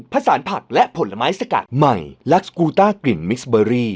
ผสานผักและผลไม้สกัดใหม่ลักษกูต้ากลิ่นมิสเบอรี่